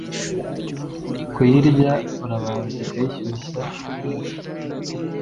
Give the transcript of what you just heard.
kuyirya, urabanza ukayishyushya, maze